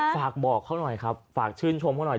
ฝากบอกเขาหน่อยครับฝากชื่นชมเขาหน่อย